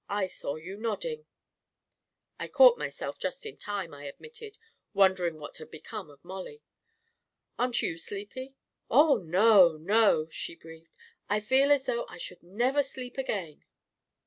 4< I saw you nodding I " 44 1 caught myself just in time," I admitted, won dering what had become of Mollie. 44 Aren't, you sleepy?" 44 Oh, no, no !" she breathed. 44 1 feel as though I should never sleep again